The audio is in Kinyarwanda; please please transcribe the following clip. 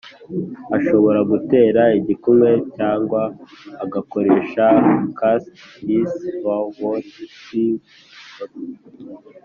ashobora gutera igikumwe cyangwa agakoresha cast his her vote using a thumb print or in writing